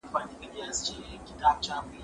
ته ولي ليکنه کوې،